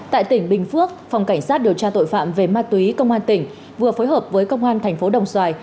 tại tỉnh bình phước phòng cảnh sát điều tra tội phạm về ma túy công an tỉnh vừa phối hợp với công an thành phố đồng xoài